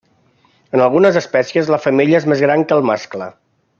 En algunes espècies la femella és més gran que el mascle.